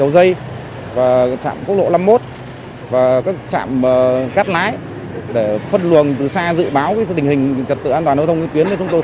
ghi nhận đến một mươi sáu h